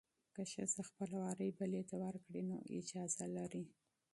که ښځه خپل نوبت بلې ته ورکړي، نو اجازه لري.